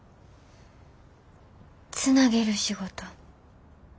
つなげる仕事。